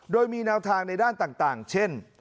โดยมีแนวทางในด้านต่างเช่น